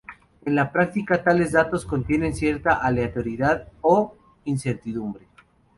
En la práctica tales datos contienen cierta aleatoriedad o incertidumbre.